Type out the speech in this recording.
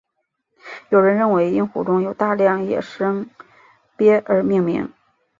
有人认为因湖中有大量野生鳖而命名。